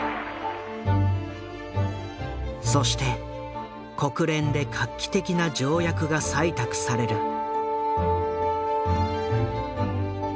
そして国連で画期的な条約が採択される。